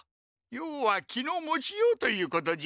ようは気の持ちようということじゃ。